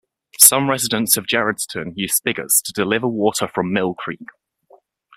Some residents of Gerrardstown use spigots to deliver water from Mill Creek.